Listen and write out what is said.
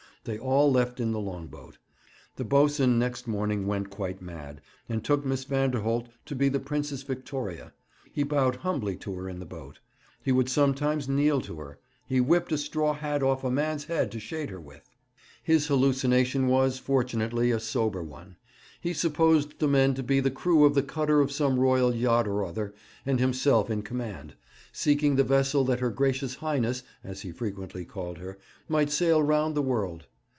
They all left in the long boat. The boatswain next morning went quite mad, and took Miss Vanderholt to be the Princess Victoria. He bowed humbly to her in the boat; he would sometimes kneel to her. He whipped a straw hat off a man's head to shade her with. His hallucination was, fortunately, a sober one. He supposed the men to be the crew of the cutter of some Royal yacht or other, and himself in command, seeking the vessel that her Gracious Highness, as he frequently called her, might sail round the world.